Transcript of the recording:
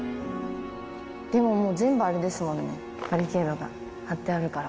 でももう、全部あれですもんね、バリケードが張ってあるから。